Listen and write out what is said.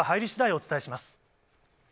お伝えします。